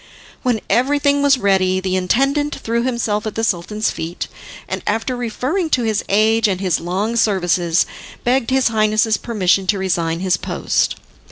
When everything was ready, the intendant threw himself at the Sultan's feet, and after referring to his age and his long services, begged his Highness's permission to resign his post.